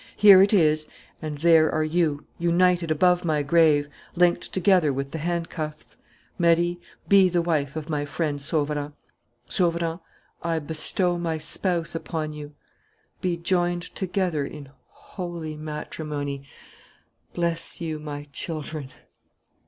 Here it is and there are you, united above my grave, linked together with the handcuffs. Marie, be the wife of my friend Sauverand. Sauverand, I bestow my spouse upon you. Be joined together in holy matrimony. Bless you, my children!